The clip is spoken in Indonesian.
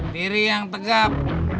diri yang tegap